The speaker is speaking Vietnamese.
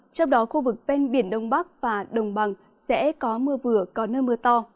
trong đó khu vực ven biển đông bắc và đồng bằng sẽ có mưa vừa có nơi mưa to